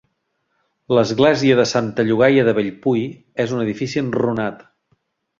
L'església de Santa Llogaia de Bellpui és un edifici enrunat.